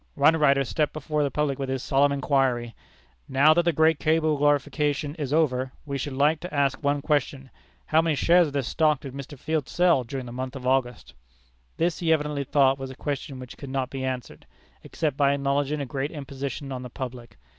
One writer stepped before the public with this solemn inquiry: "Now that the great cable glorification is over, we should like to ask one question: How many shares of his stock did Mr. Field sell during the month of August?" This he evidently thought was a question which could not be answered, except by acknowledging a great imposition on the public.